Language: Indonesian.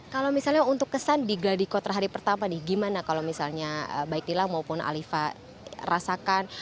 kalau misalnya untuk kesan di gladiko terhari pertama nih gimana kalau misalnya baiknila maupun alifa rasakan